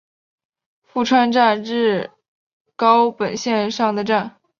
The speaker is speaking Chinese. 富川站日高本线上的站。